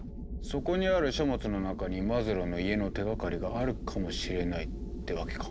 そこにある書物の中にマズローの家の手がかりがあるかもしれないってわけか。